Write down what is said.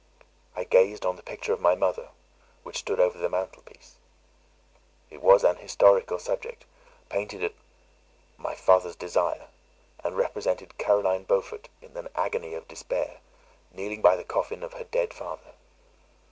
I gazed on the picture of my mother, which stood over the mantel piece. It was an historical subject, painted at my father's desire, and represented Caroline Beaufort in an agony of despair, kneeling by the coffin of her dead father.